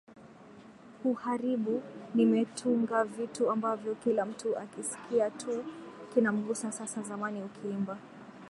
huharibu Nimetunga vitu ambavyo kila mtu akisikia tu kinamgusa Sasa zamani ukiimba